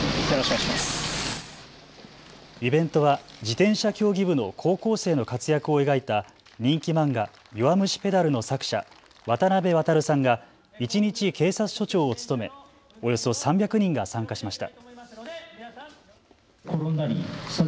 イベントは自転車競技部の高校生の活躍を描いた人気漫画、弱虫ペダルの作者、渡辺航さんが一日警察署長を務めおよそ３００人が参加しました。